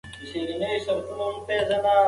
زه به د فولکلور په کيسو کي ورک وم.